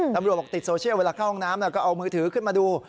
ตำรวจบอกติดโซเชียลเวลาเข้าห้องน้ำก็เอามือถือขึ้นมาดู